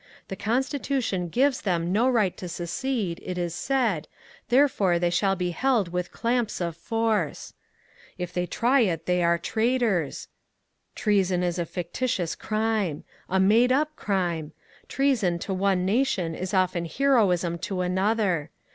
The Constitution gives them no right to secede, it is said, therefore they shall be held with clamps of force. " If they try it they are traitors." Treason is a fictitious crime — a made up crime : treason to one nation is often heroism to another.